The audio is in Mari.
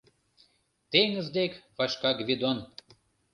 Теҥыз дек вашка Гвидон